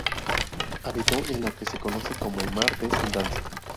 Habitó en lo que se conoce como el mar de Sundance.